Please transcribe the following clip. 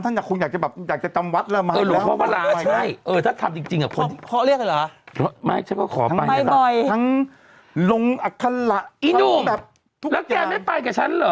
ไม่ฉันก็ขอไปนะครับทั้งลงอัฆราทั้งแบบทุกอย่างอีหนุ่มแล้วแกไม่ไปกับฉันเหรอ